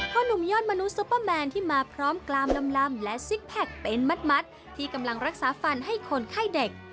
หนุ่มยอดมนุษุปเปอร์แมนที่มาพร้อมกลามลำและซิกแพคเป็นมัดที่กำลังรักษาฟันให้คนไข้เด็ก